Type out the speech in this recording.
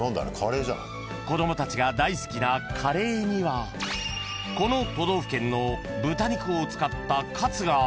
［子供たちが大好きなカレーにはこの都道府県の豚肉を使ったカツが］